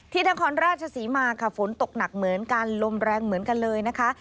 นครราชศรีมาค่ะฝนตกหนักเหมือนกันลมแรงเหมือนกันเลยนะคะ